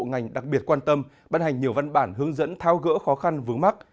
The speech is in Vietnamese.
các bộ ngành đặc biệt quan tâm bàn hành nhiều văn bản hướng dẫn thao gỡ khó khăn vướng mắt